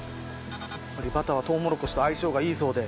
やっぱりバターはとうもろこしと相性がいいそうで。